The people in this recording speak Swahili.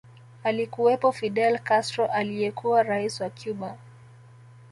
Alikuwepo Fidel Castro aliyekuwa rais wa Cuba